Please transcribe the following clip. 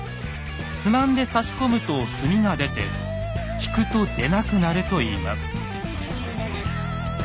つまんで差し込むと墨が出て引くと出なくなるといいます。